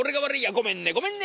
ごめんねごめんね。